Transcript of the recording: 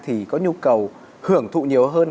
thì có nhu cầu hưởng thụ nhiều hơn